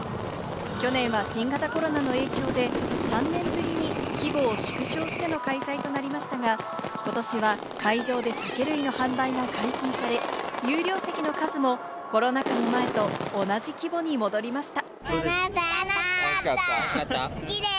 去年は新型コロナの影響で３年ぶりに規模を縮小しての開催となりましたが、ことしは会場で酒類の販売が解禁され、有料席の数もコロナ禍の前と同じ規模に戻りました。